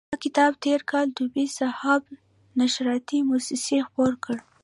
دا کتاب تېر کال دوبی صحاف نشراتي موسسې خپور کړ.